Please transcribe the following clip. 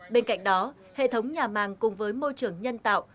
bên cạnh đó hệ thống nhà màng cùng với môi trường nhân tạo